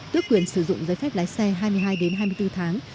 tuyết quyền sử dụng giấy phép lái xe hai mươi hai hai mươi bốn tháng